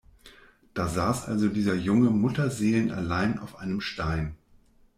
Da saß also dieser Junge mutterseelenallein auf einem Stein.